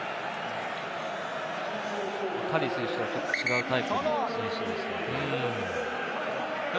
カリー選手はちょっと違うタイプの選手ですね。